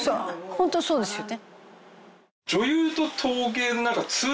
ホントそうですよね。